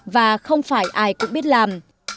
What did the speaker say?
và không phải ai cũng biết làm